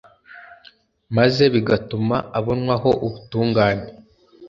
maze bigatuma abonwaho ubutungane